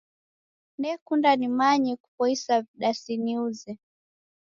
Nekunda nimanye kupoisa vidasi niuze.